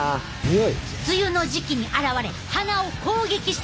梅雨の時期に現れ鼻を攻撃してくる強敵や！